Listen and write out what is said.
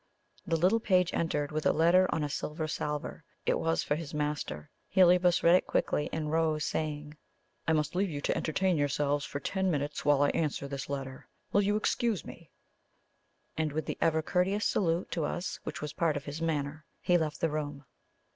The little page entered with a letter on a silver salver. It was for his master. Heliobas read it quickly, and rose, saying: "I must leave you to entertain yourselves for ten minutes while I answer this letter. Will you excuse me?" and with the ever courteous salute to us which was part of his manner, he left the room.